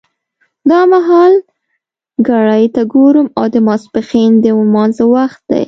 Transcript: دا مهال ګړۍ ته ګورم او د ماسپښین د لمانځه وخت دی.